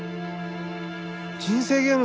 「人生ゲーム」